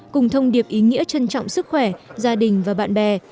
cùng thông điệp ý nghĩa trân trọng sức khỏe gia đình và bạn bè